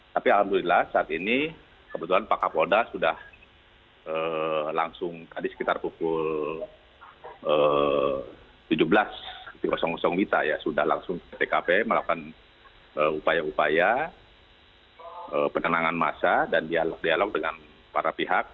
tapi alhamdulillah saat ini kebetulan pak kapolda sudah langsung tadi sekitar pukul tujuh belas wita ya sudah langsung ke tkp melakukan upaya upaya penenangan masa dan dialog dialog dengan para pihak